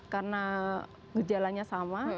karena gejalanya sama